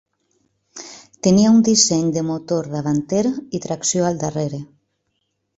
Tenia un disseny de motor davanter i tracció al darrere.